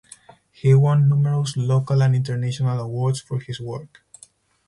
He won numerous local and international awards for his work.